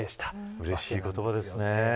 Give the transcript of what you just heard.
うれしい言葉ですね。